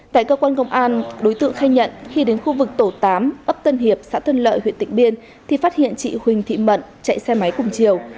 tại cơ quan công an đối tượng khai nhận khi đến khu vực tổ tám ấp tân hiệp xã tân lợi huyện tịnh biên thì phát hiện chị huỳnh thị mận chạy xe máy cùng chiều